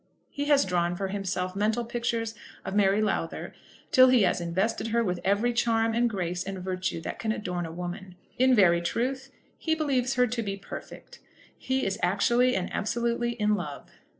He has drawn for himself mental pictures of Mary Lowther till he has invested her with every charm and grace and virtue that can adorn a woman. In very truth he believes her to be perfect. He is actually and absolutely in love.